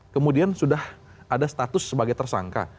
kemudian sudah ada status sebagai tersangka